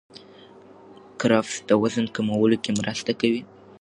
کرفس د وزن کمولو کې مرسته کوي.